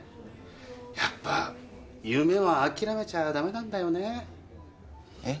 やっぱ夢は諦めちゃダメなんだよねえっ？